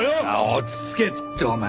落ち着けってお前。